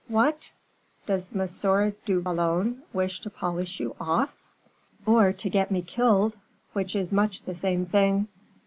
"What! Does M. du Vallon wish to polish you off?" "Or to get me killed, which is much the same thing."